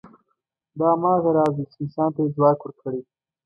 دا هماغه راز دی، چې انسان ته یې ځواک ورکړی.